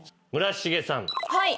はい。